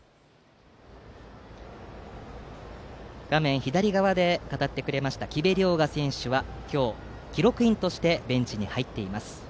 画面左側で語ってくれました木部涼雅選手は今日記録員としてベンチに入っています。